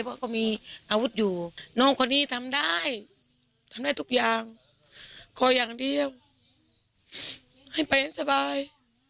เพราะก็มีอาวุธอยู่น้องคนนี้ทำได้ทำได้ทุกอย่างขออย่างเดียวให้ไปให้สบาย